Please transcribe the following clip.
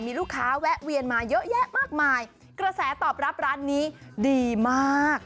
มีลูกค้าแวะเวียนมาเยอะแยะมากมายกระแสตอบรับร้านนี้ดีมาก